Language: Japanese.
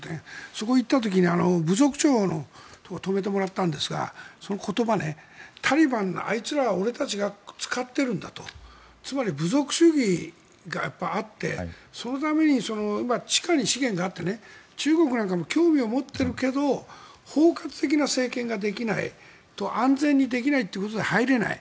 そこに行った時に部族長に泊めてもらったんですがその言葉ねタリバン、あいつらを俺たちが使っているんだとつまり、部族主義があってそのために今、地下に資源があって中国なんかも興味を持っているけど包括的な政権ができないと安全にできないということで入れない。